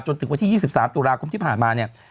จนถึงวันที่๒๓ตุลาคมที่ผ่านมาเนี่ย